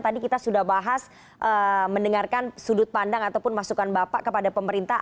tadi kita sudah bahas mendengarkan sudut pandang ataupun masukan bapak kepada pemerintah